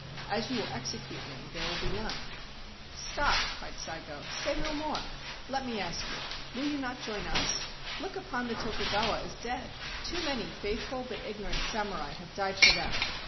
As you will execute me, there will be none/ ' Stop,' cried Saigo :' say no more. Let me ask you : Will you not join us? Look upon the Tokugawa as dead. Too many faithful but ignorant samurai have died for them.